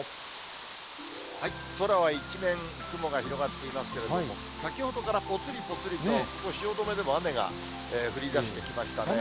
空は一面、雲が広がっていますけれども、先ほどからぽつりぽつりと、ここ、汐留でも雨が降りだしてきましたね。